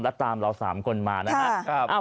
แล้วตามเรา๓คนมานะครับ